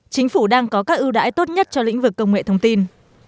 chính phủ đang có các ưu đãi tốt nhất cho lĩnh vực công nghệ thông tin